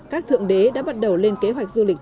các thượng đế đã bắt đầu lên kế hoạch du lịch